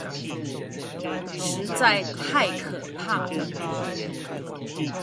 實在太可怕了